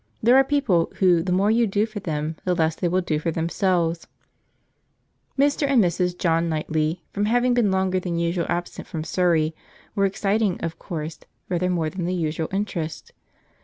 There are people, who the more you do for them, the less they will do for themselves. Mr. and Mrs. John Knightley, from having been longer than usual absent from Surry, were exciting of course rather more than the usual interest.